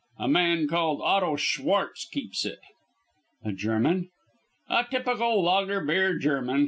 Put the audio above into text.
A man called Otto Schwartz keeps it." "A German?" "A typical lager beer German.